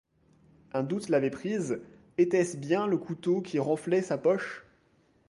Un doute l'avait prise: était-ce bien le couteau qui renflait sa poche?